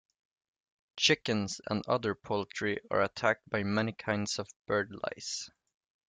Chickens and other poultry are attacked by many kinds of bird lice.